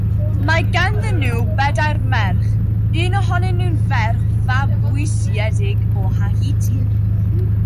Mae ganddyn nhw bedair merch, un ohonyn nhw'n ferch fabwysiedig o Haiti.